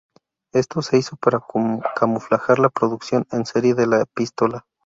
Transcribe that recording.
Esto se hizo para camuflar la producción en serie de la pistola.